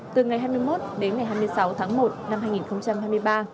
từ ngày hai mươi một đến ngày hai mươi sáu tháng một năm hai nghìn hai mươi ba